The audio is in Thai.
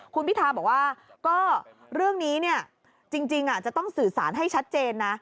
คุณพิทาบอกว่าก็เรื่องนี้เนี่ยจริงจะต้องสื่อสารให้ชัดเจนนะ